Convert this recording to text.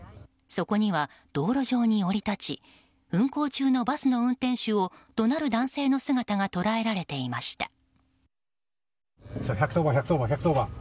そこには道路上に降り立ち運行中のバスの運転手を怒鳴る男性の姿が捉えられていました。